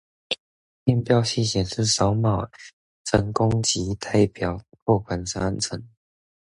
驗票機顯示掃碼成功即代表扣款完成，